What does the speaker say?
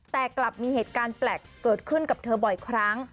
แต่กลับมีเหตุการณ์แปลกเกิดขึ้นกับเธอบ่อยครั้ง